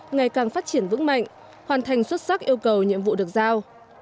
ngày càng phát triển vững mạnh hoàn thành xuất sắc yêu cầu nhiệm vụ được giao